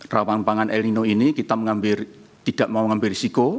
rawan pangan el nino ini kita tidak mau mengambil risiko